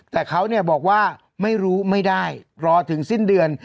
แต่เขาบอกว่าไม่รู้ไม่ได้รอถึงสิ้นเดือน